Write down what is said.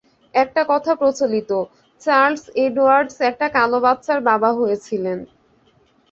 একটা কথা প্রচলিত, চার্লস এডওয়ার্ডস একটা কালো বাচ্চার বাবা হয়েছিলেন।